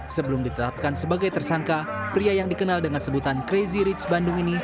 sebelum ditetapkan sebagai tersangka pria yang dikenal dengan sebutan crazy rich bandung ini